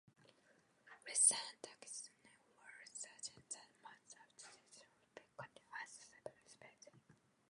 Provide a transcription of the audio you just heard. Recent taxonomic work suggests that most of these should be considered as separate species.